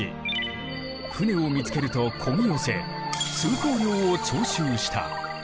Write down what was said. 船を見つけるとこぎ寄せ通行料を徴収した。